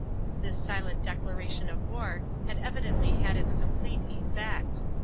This silent declaration of war had evidently had its complete effect.